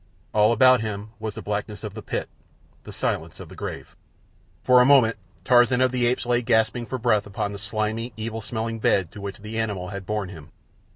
All about him was the blackness of the pit—the silence of the grave. For a moment Tarzan of the Apes lay gasping for breath upon the slimy, evil smelling bed to which the animal had borne him.